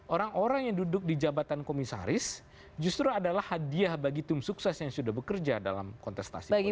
orang orang yang duduk di jabatan komisaris justru adalah hadiah bagi tim sukses yang sudah bekerja dalam kontestasi politik